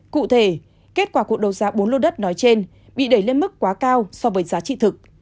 cụ thể kết quả cuộc đấu giá bốn lô đất nói trên bị đẩy lên mức quá cao so với giá trị thực